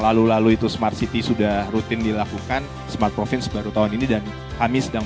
lalu lalu itu smart city sudah rutin dilakukan smartprovince baru tahun ini dan kami sedang